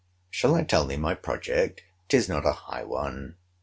Shall I tell thee my project? 'Tis not a high one.